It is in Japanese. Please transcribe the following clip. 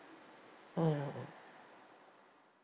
うん。